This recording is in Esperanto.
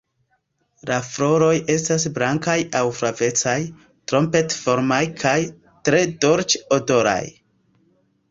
La floroj estas blankaj aŭ flavecaj, trompet-formaj kaj tre dolĉ-odoraj.